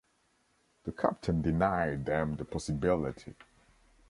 The captain denied them the possibility